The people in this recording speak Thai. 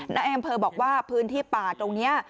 นายอำเภอบอกว่าพื้นที่ป่าตรงนี้